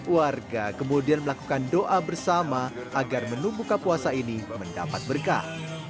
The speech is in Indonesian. warga kemudian melakukan doa bersama agar menu buka puasa ini mendapat berkah